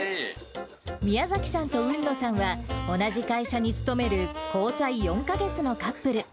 宮崎さんと海野さんは、同じ会社に勤める交際４か月のカップル。